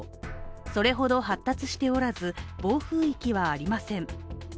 それほど発達しておらず、暴風域はありません。